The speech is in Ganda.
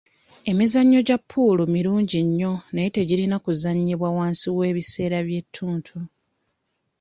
Emizannyo gya puulu mirungi nnyo naye tegirina kuzannyibwa wansi w'ebiseera by'ettuntu.